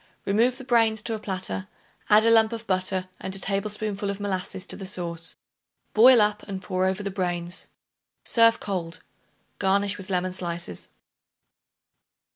Remove the brains to a platter; add a lump of butter and a tablespoonful of molasses to the sauce; boil up and pour over the brains. Serve cold; garnish with lemon slices.